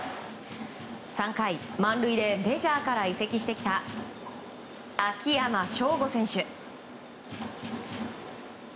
３回、満塁でメジャーから移籍してきた秋山翔吾選手。